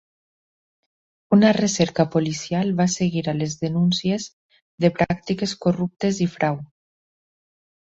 Una recerca policial va seguir a les denúncies de pràctiques corruptes i frau.